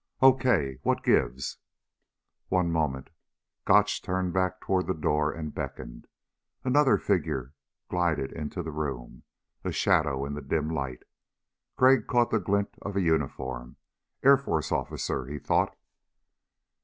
"Okay. What gives?" "One moment." Gotch turned back toward the door and beckoned. Another figure glided into the room a shadow in the dim light. Crag caught the glint of a uniform. Air Force officer, he thought.